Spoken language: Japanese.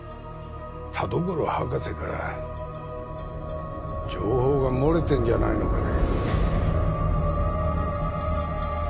田所博士から情報が漏れてんじゃないのかね